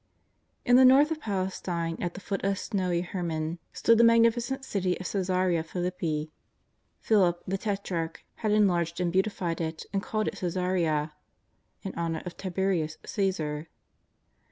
In the north of Palestine at the foot of snowy Her mon stood the magnificent city of Ca?sarea Philippi. Philip, the tetrarch, had enlarged and beautified it and called it Ca?sarea, in honour of Tiberias Caesar.